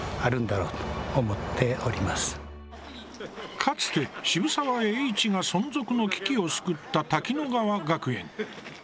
かつて渋沢栄一が存続の危機を救った滝乃川学園。